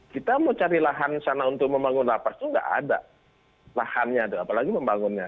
kita mau cari lahan sana untuk membangun lapas itu nggak ada lahannya apalagi membangunnya